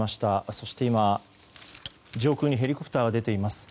そして今、上空にヘリコプターが出ています。